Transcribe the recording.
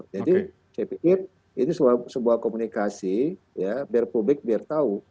jadi saya pikir ini sebuah komunikasi biar publik tahu